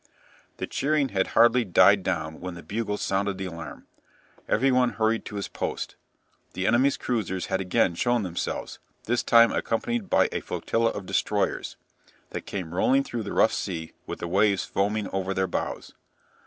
The cheering had hardly died down when the bugles sounded the alarm. Every one hurried to his post. The enemy's cruisers had again shown themselves, this time accompanied by a flotilla of destroyers, that came rolling through the rough sea with the waves foaming over their bows.